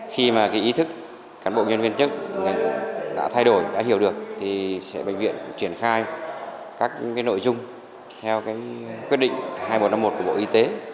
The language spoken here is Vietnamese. khi mà cái ý thức cán bộ nhân viên chức ngành cũng đã thay đổi đã hiểu được thì bệnh viện triển khai các nội dung theo cái quyết định hai nghìn một trăm năm mươi một của bộ y tế